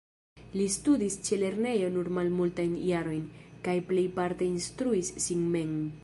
Li studis ĉe lernejo nur malmultajn jarojn, kaj plejparte instruis sin mem.